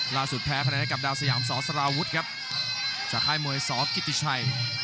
ล่าสุดแพ้ภายในกับดาวสยามสสราวุฒิครับจากค่ายมวยสกิติชัย